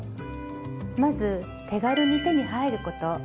まず手軽に手に入ること。